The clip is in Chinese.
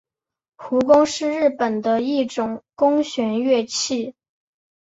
胡弓是日本的一种弓弦乐器。